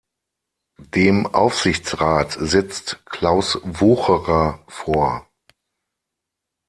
Dem Aufsichtsrat sitzt Klaus Wucherer vor.